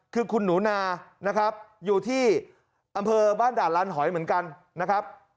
คือคุณหนูนานะครับอยู่ที่อำเภอบ้านด่านลานหอยเหมือนกันนะครับ